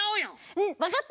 うんわかった。